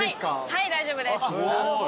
はい大丈夫です。